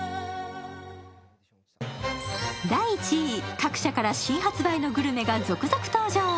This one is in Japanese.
各社から新発売のグルメが続々登場。